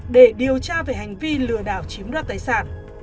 để điều tra về hành vi lừa đảo chiếm đoạt tài sản